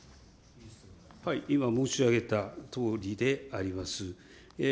はい、今申し上げたとおりであります。